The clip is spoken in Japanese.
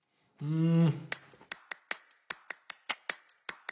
うん！